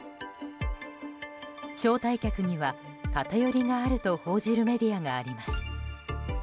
招待客には、偏りがあると報じるメディアがあります。